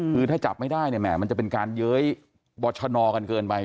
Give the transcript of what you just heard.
คือถ้าจับไม่ได้มันจะเป็นการเย้ยบรรชนอกันเกินไป